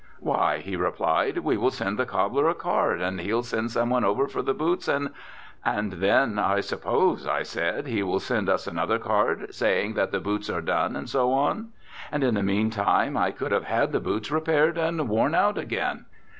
"Why," he replied, "we will send the cobbler a card and he'll send some one over for the boots and " "And then, I suppose," I said, "he will send us another card saying that the boots are done and so on. And in the meantime I could have had the boots repaired and worn out again."